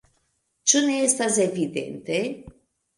Ĉu ne estas evidente?